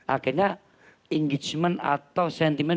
akhirnya engagement atau sentiment